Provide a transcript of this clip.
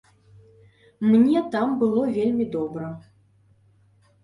Мне там было вельмі добра.